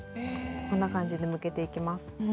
こんな感じで、むけていきます。